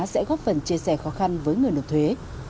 sẽ góp phần chia sẻ khó khăn với người nộp thuế